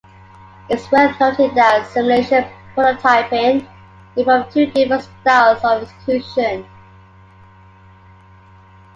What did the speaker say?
It is worth noting that simulation and prototyping involve two different styles of execution.